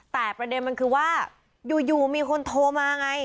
แต่ประเด็นมันคือว่าอยู่มีคนโทรมาไง